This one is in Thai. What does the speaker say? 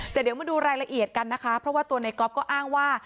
แต่เดี๋ยวมาดูรายละเอียดกันนะคะเพราะว่าตัวในก๊อฟก็อ้างว่า